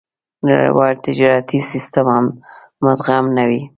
نړيوال تجارتي سېسټم مدغم نه دي.